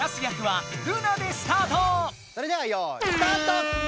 それでは用いスタート！